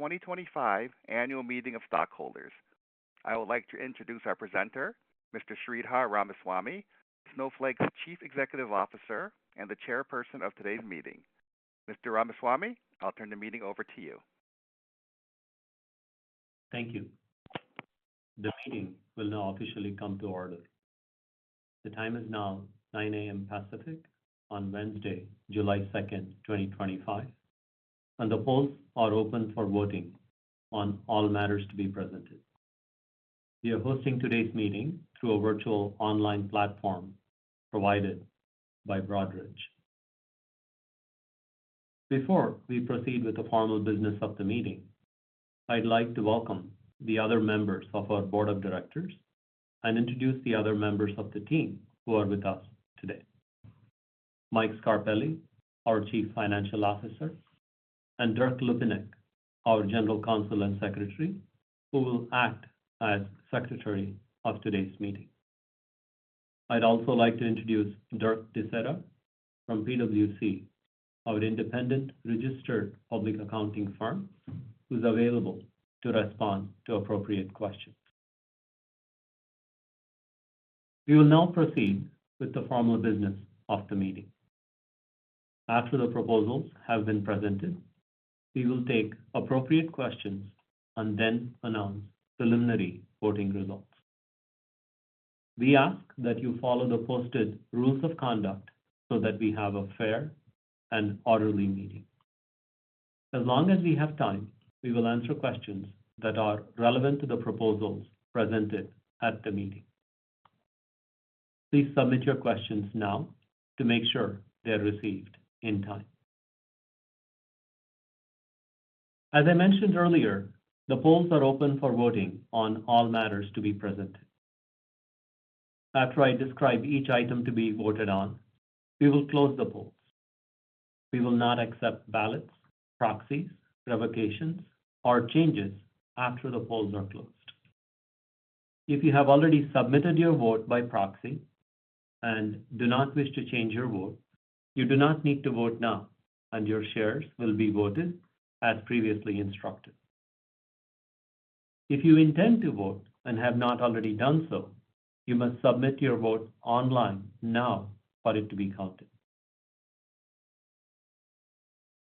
2025 Annual Meeting of Stockholders. I would like to introduce our presenter, Mr. Sridhar Ramaswamy, Snowflake's Chief Executive Officer and the Chairperson of today's meeting. Mr. Ramaswamy, I'll turn the meeting over to you. Thank you. The meeting will now officially come to order. The time is now 9:00 A.M. Pacific on Wednesday, July 2nd, 2025, and the polls are open for voting on all matters to be presented. We are hosting today's meeting through a virtual online platform provided by Broadridge. Before we proceed with the formal business of the meeting, I'd like to welcome the other members of our Board of Directors and introduce the other members of the team who are with us today: Mike Scarpelli, our Chief Financial Officer, and Derk Lupinek, our General Counsel and Secretary, who will act as Secretary of today's meeting. I'd also like to introduce Dirk Tissera from PwC, our independent registered public accounting firm, who's available to respond to appropriate questions. We will now proceed with the formal business of the meeting. After the proposals have been presented, we will take appropriate questions and then announce preliminary voting results. We ask that you follow the posted rules of conduct so that we have a fair and orderly meeting. As long as we have time, we will answer questions that are relevant to the proposals presented at the meeting. Please submit your questions now to make sure they're received in time. As I mentioned earlier, the polls are open for voting on all matters to be presented. After I describe each item to be voted on, we will close the polls. We will not accept ballots, proxies, revocations, or changes after the polls are closed. If you have already submitted your vote by proxy and do not wish to change your vote, you do not need to vote now, and your shares will be voted as previously instructed. If you intend to vote and have not already done so, you must submit your vote online now for it to be counted.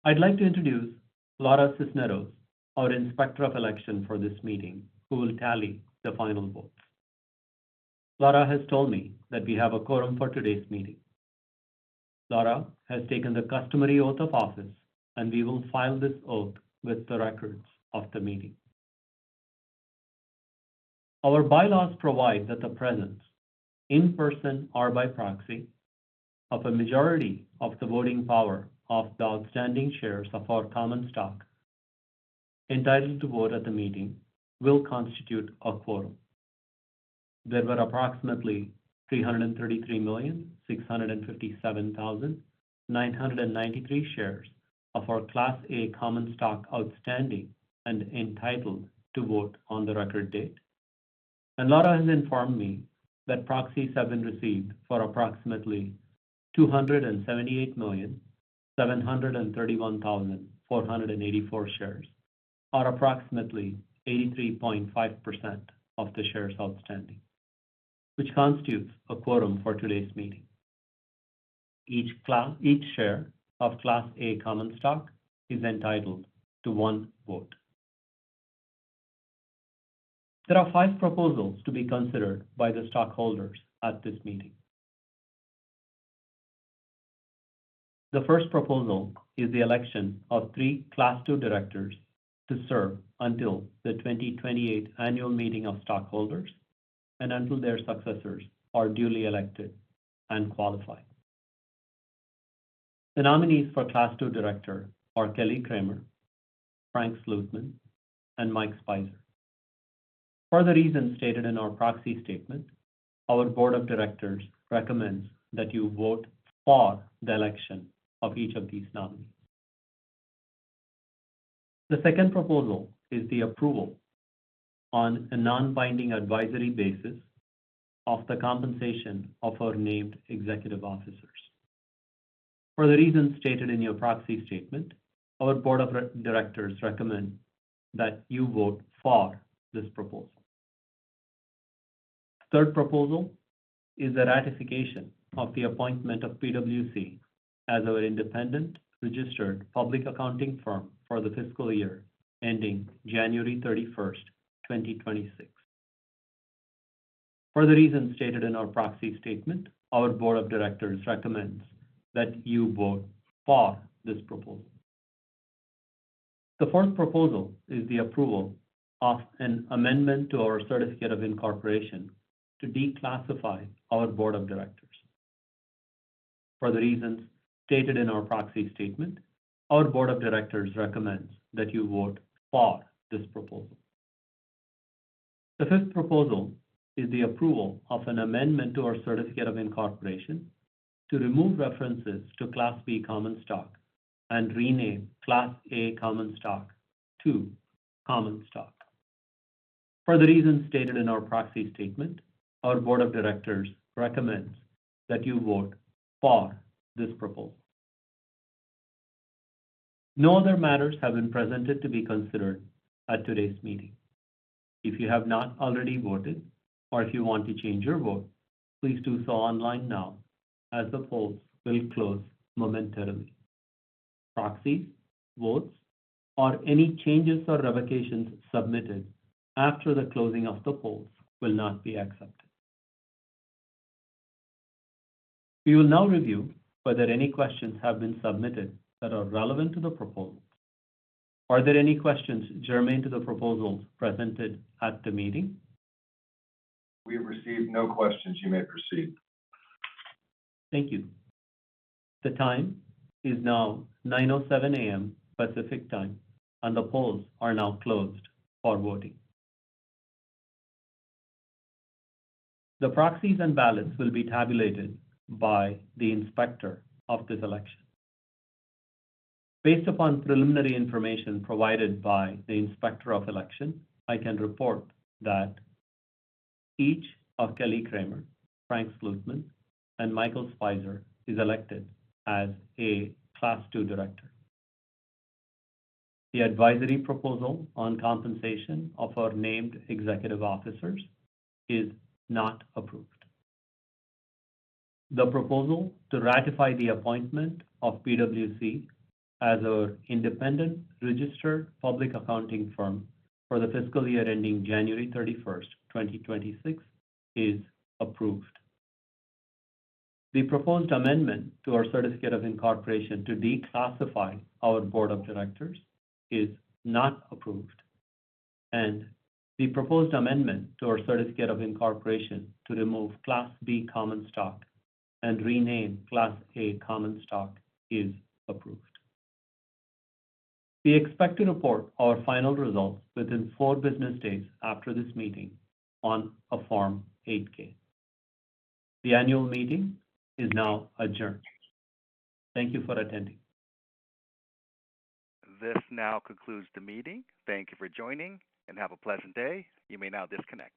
I'd like to introduce Laura Cisneros, our Inspector of Election for this meeting, who will tally the final votes. Laura has told me that we have a quorum for today's meeting. Laura has taken the customary oath of office, and we will file this oath with the records of the meeting. Our bylaws provide that the presence, in person or by proxy, of a majority of the voting power of the outstanding shares of our common stock entitled to vote at the meeting will constitute a quorum. There were approximately 333,657,993 shares of our Class A common stock outstanding and entitled to vote on the record date, and Laura has informed me that proxies have been received for approximately 278,731,484 shares, or approximately 83.5% of the shares outstanding, which constitutes a quorum for today's meeting. Each share of Class A common stock is entitled to one vote. There are five proposals to be considered by the stockholders at this meeting. The first proposal is the election of three Class II directors to serve until the 2028 Annual Meeting of Stockholders and until their successors are duly elected and qualified. The nominees for Class II director are Kelly Kramer, Frank Slootman, and Mike Speiser. For the reasons stated in our proxy statement, our Board of Directors recommends that you vote for the election of each of these nominees. The second proposal is the approval on a non-binding advisory basis of the compensation of our named executive officers. For the reasons stated in your proxy statement, our Board of Directors recommend that you vote for this proposal. The third proposal is the ratification of the appointment of PwC as our independent registered public accounting firm for the fiscal year ending January 31st, 2026. For the reasons stated in our proxy statement, our Board of Directors recommends that you vote for this proposal. The fourth proposal is the approval of an amendment to our Certificate of Incorporation to declassify our Board of Directors. For the reasons stated in our proxy statement, our Board of Directors recommends that you vote for this proposal. The fifth proposal is the approval of an amendment to our Certificate of Incorporation to remove references to Class B common stock and rename Class A common stock to common stock. For the reasons stated in our proxy statement, our Board of Directors recommends that you vote for this proposal. No other matters have been presented to be considered at today's meeting. If you have not already voted or if you want to change your vote, please do so online now as the polls will close momentarily. Proxies, votes, or any changes or revocations submitted after the closing of the polls will not be accepted. We will now review whether any questions have been submitted that are relevant to the proposals. Are there any questions germane to the proposals presented at the meeting? We have received no questions. You may proceed. Thank you. The time is now 9:07 A.M. Pacific Time, and the polls are now closed for voting. The proxies and ballots will be tabulated by the Inspector of this election. Based upon preliminary information provided by the Inspector of Election, I can report that each of Kelly Kramer, Frank Slootman, and Michael Speiser is elected as a Class II director. The advisory proposal on compensation of our named executive officers is not approved. The proposal to ratify the appointment of PwC as our independent registered public accounting firm for the fiscal year ending January 31st, 2026 is approved. The proposed amendment to our Certificate of Incorporation to declassify our Board of Directors is not approved, and the proposed amendment to our Certificate of Incorporation to remove Class B common stock and rename Class A common stock is approved. We expect to report our final results within four business days after this meeting on a Form 8-K. The Annual Meeting is now adjourned. Thank you for attending. This now concludes the meeting. Thank you for joining, and have a pleasant day. You may now disconnect.